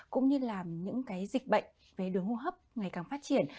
cũng như là những cái dịch bệnh về đường hô hấp ngày càng phát triển